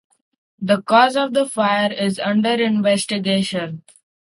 The cause of the fire is under investigation.